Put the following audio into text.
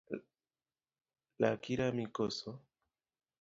Laki rami koso?